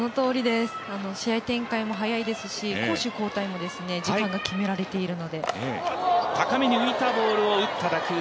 試合展開も早いですし攻守交代も時間が決められているので。